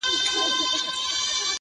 چي په كالو بانـدې زريـــن نه ســـمــه.